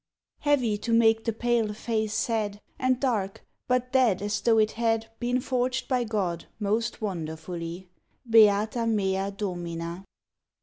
_ Heavy to make the pale face sad, And dark, but dead as though it had Been forged by God most wonderfully _Beata mea Domina!